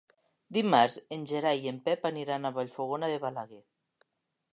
Dimarts en Gerai i en Pep aniran a Vallfogona de Balaguer.